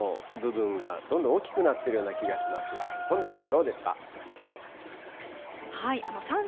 数分前から見てると、青空の部分がどんどん大きくなってるような気がしますが、近藤さん、どうですか。